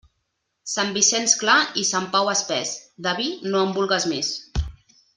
Sant Vicenç clar i Sant Pau espés, de vi no en vulgues més.